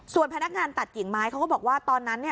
ส่วนพนักงานตัดกิ่งไม้เขาก็บอกว่าตอนนั้นเนี่ย